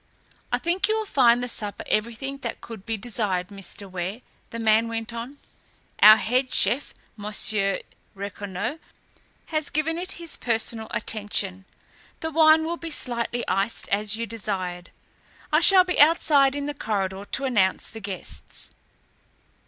"I think you will find the supper everything that could be desired, Mr. Ware," the man went on. "Our head chef, Monsieur Raconnot, has given it his personal attention. The wine will be slightly iced, as you desired. I shall be outside in the corridor to announce the guests."